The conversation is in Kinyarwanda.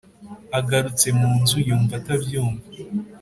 agarutse munzu yumva atabyumva